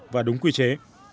và đúng quy chế